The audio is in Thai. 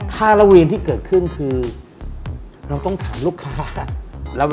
ระวีนที่เกิดขึ้นคือเราต้องถามลูกค้า